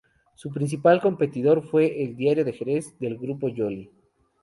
Su principal competidor fue el "Diario de Jerez", del Grupo Joly.